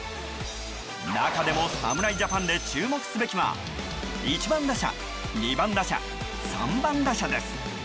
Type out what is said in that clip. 中でも侍ジャパンで注目すべきは１番打者、２番打者３番打者です。